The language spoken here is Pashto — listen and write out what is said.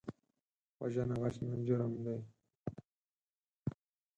وژنه غچ نه، جرم دی